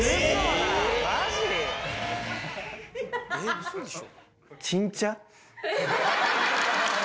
⁉ウソでしょ